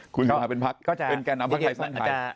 คุณแกน้ำพักไทยส่วนไทย